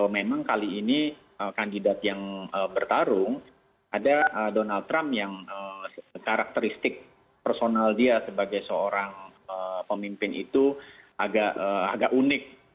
memang kali ini kandidat yang bertarung ada donald trump yang karakteristik personal dia sebagai seorang pemimpin itu agak unik